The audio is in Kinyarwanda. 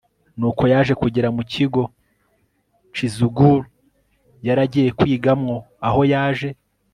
Nuko yaje kugera mukigo cisgur yaragiye kwigamwo aho yaje